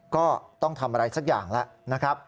ก็ต้องทำอะไรสักอย่างละ